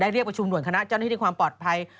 เรียกประชุมด่วนคณะเจ้าหน้าที่ที่ความปลอดภัย